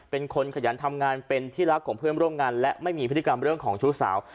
เป็นคนขยันทำงานเป็นที่รักของเพื่อนร่วมงานและไม่มีพฤติกรรมเรื่องของชู้สาว